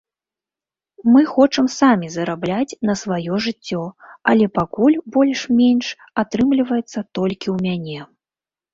Мы хочам самі зарабляць на сваё жыццё, але пакуль больш-менш атрымліваецца толькі ў мяне.